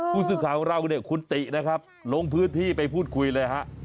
ผู้สื่อข่าวของเราเนี่ยคุณตินะครับลงพื้นที่ไปพูดคุยเลยฮะ